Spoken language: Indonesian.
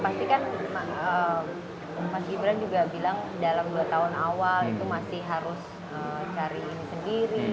pasti kan mas gibran juga bilang dalam dua tahun awal itu masih harus cari ini sendiri